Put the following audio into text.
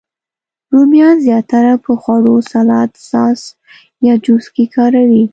رومیان زیاتره په خوړو، سالاد، ساس، یا جوس کې کاروي